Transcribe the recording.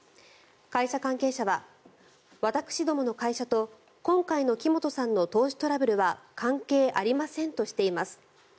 会社関係者は私どもの会社と今回の木本さんの投資トラブルは関係ありませんとしています。